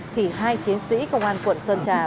thì hai chiến sĩ công an quận sơn trà